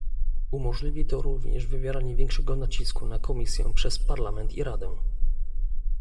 Umożliwi to również wywieranie większego nacisku na Komisję przez Parlament i Radę